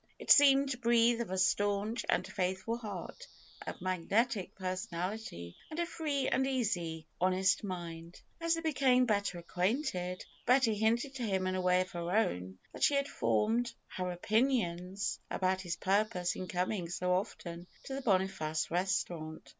It seemed to breathe of a staunch and faithful heart, a magnetic personality and a free and easy, hon est mind. As they became better acquainted, Betty hinted to him in a way of her own that she had formed her opin ions about his purpose in coming so often to the Boni face restaurant.